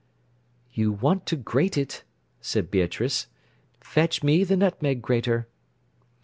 "You want to grate it," said Beatrice. "Fetch me the nutmeg grater."